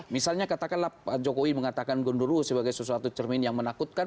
misalnya katakanlah pak jokowi mengatakan gondoru sebagai sesuatu cermin yang menakutkan